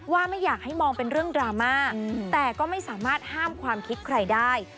ไม่อยากให้มองเป็นเรื่องดราม่าแต่ก็ไม่สามารถห้ามความคิดใครได้